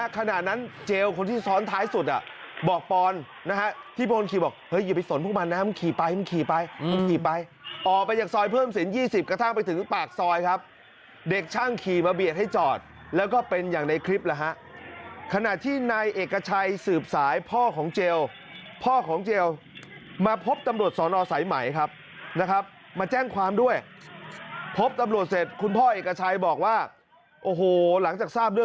คนที่ซ้อนท้ายสุดอ่ะบอกปอนนะฮะที่พวกมันขี่บอกเฮ้ยอย่าไปสนพวกมันนะมึงขี่ไปมึงขี่ไปมึงขี่ไปออกไปจากซอยเพิ่มสินยี่สิบกระทั่งไปถึงปากซอยครับเด็กช่างขี่มาเบียดให้จอดแล้วก็เป็นอย่างในคลิปแล้วฮะขณะที่นายเอกชัยสืบสายพ่อของเจลพ่อของเจลมาพบตำรวจสอนออสัยใหม่ครับนะครับมาแจ้งความด้วยพบตำรว